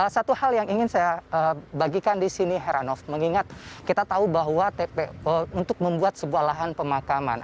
satu hal yang ingin saya bagikan di sini heranov mengingat kita tahu bahwa untuk membuat sebuah lahan pemakaman